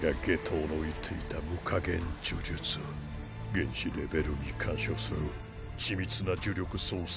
原子レベルニ干渉スル緻密ナ呪力操作